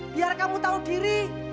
biar kamu tahu diri